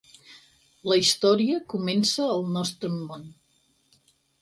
La història comença al nostre món.